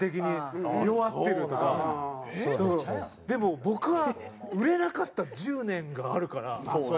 でも僕は売れなかった１０年があるから。